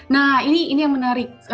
nah ini yang menarik